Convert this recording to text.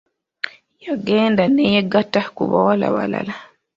Yagenda ne yeegatta ku bawala abalala.